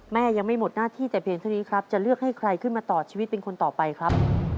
ยังไม่หมดหน้าที่แต่เพียงเท่านี้ครับจะเลือกให้ใครขึ้นมาต่อชีวิตเป็นคนต่อไปครับ